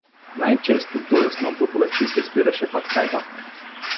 Най-често тоя сноп от лъчи се спираше пад Кайпа.